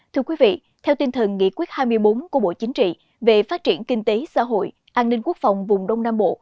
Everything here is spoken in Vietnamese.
thưa quý vị theo tinh thần nghị quyết hai mươi bốn của bộ chính trị về phát triển kinh tế xã hội an ninh quốc phòng vùng đông nam bộ